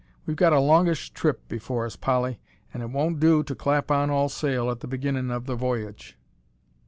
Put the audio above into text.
We've got a longish trip before us, Polly, an' it won't do to clap on all sail at the beginnin' of the voyage."